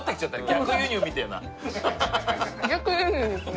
逆輸入ですね。